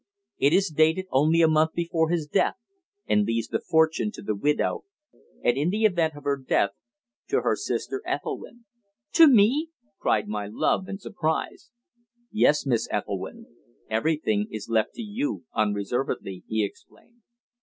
It is dated only a month before his death, and leaves the fortune to the widow, and in the event of her death to her sister Ethelwynn." "To me!" cried my love, in surprise. "Yes, Miss Ethelwynn. Everything is left to you unreservedly," he explained.